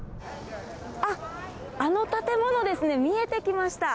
あの建物ですね、見えてきました。